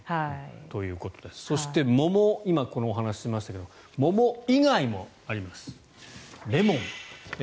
そして桃、今このお話しましたが桃以外もあります。